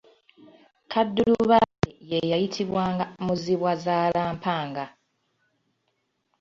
Kaddulubaale ye yayitibwanga Muzibwazaalampanga.